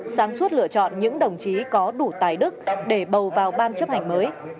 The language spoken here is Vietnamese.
sáng suốt lựa chọn những đồng chí có đủ tài đức để bầu vào ban chấp hành mới